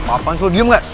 apaan sih lo diem ga